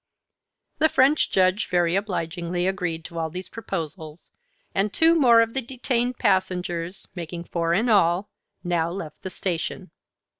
The French Judge very obligingly agreed to all these proposals, and two more of the detained passengers, making four in all, now left the station.